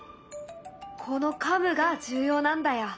このカムが重要なんだよ。